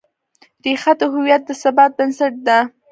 ریښه د هویت د ثبات بنسټ ده.